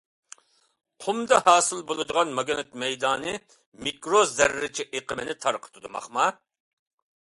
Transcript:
قۇمدا ھاسىل بولىدىغان ماگنىت مەيدانى مىكرو زەررىچە ئېقىمىنى تارقىتىدۇ.